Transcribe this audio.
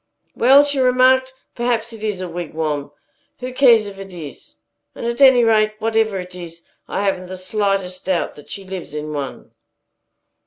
"Well," she remarked, "perhaps it is a wigwam. Who cares if it is? And at any rate, whatever it is, I haven't the slightest doubt that she lives in one."